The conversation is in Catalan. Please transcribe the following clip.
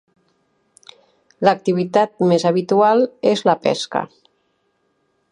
L'activitat més habitual és la pesca.